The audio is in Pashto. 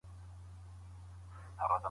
کمپيوټر پوهنه د نوي عصر تر ټولو مهمه اړتيا ده.